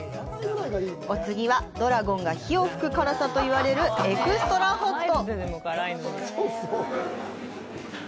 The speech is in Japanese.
お次は、ドラゴンが火を噴く辛さと言われるエクストラホット。